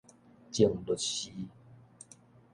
淨律寺